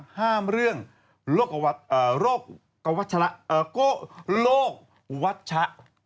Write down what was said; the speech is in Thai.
ห้ามเรื่องโรควัชชะ